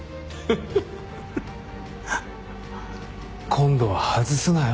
今度は外すなよ。